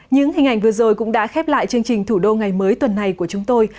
những hình ảnh vừa rồi cũng đã khép lại chương trình thủ đô ngày mới tuần này của chúng tôi